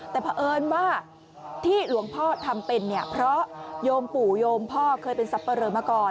แต่เพราะเอิญว่าที่หลวงพ่อทำเป็นเนี่ยเพราะโยมปู่โยมพ่อเคยเป็นสับปะเหลอมาก่อน